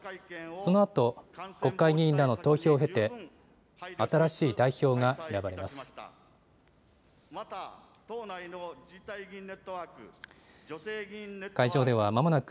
そのあと、国会議員らの投票を経て、新しい代表が選ばれます。